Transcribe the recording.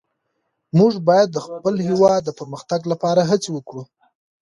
موږ باید د خپل هېواد د پرمختګ لپاره هڅې وکړو.